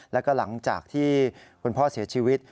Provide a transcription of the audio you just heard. แล้วก็หลังจากที่คุณพ่อเสียชีวิต